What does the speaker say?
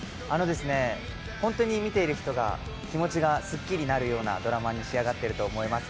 本当に見ている人が気持ちがすっきりなるようなドラマに仕上がっていると思います。